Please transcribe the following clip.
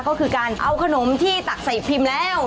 ก็คือการเอาขนมที่ตักใส่พิมพ์แล้ว